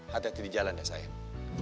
hati hati di jalan dan sayang